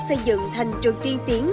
xây dựng thành trường tiên tiến